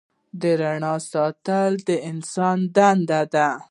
د رڼا ساتنه د انسان دنده ده.